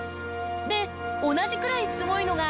で、同じくらいすごいのが。